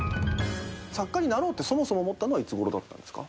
作家になろうってそもそも思ったのはいつごろだったんですか？